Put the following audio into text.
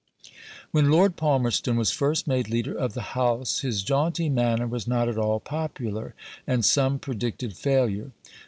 When Lord Palmerston was first made leader of the House, his jaunty manner was not at all popular, and some predicted failure.